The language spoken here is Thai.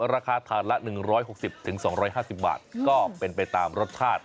ราคาถาดละ๑๖๐๒๕๐บาทก็เป็นไปตามรสชาติ